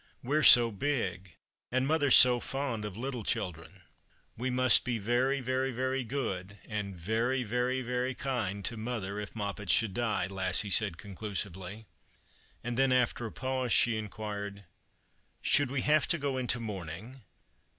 " We're so big, and mother's so fond of little children." " We must be very, very, very good, and very, very, very kind to mother if Moppet should die," Lassie said conclusively. And then, after a pause, she inquired, " Should we have to go into mourning